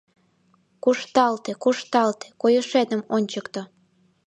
Кушталте, кушталте, койышетым ончыкто!